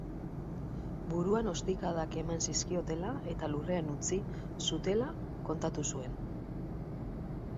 Buruan ostikadak eman zizkiotela eta lurrean utzi zutela kontatu zuen.